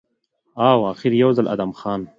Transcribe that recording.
او اخر يو ځل ادم خان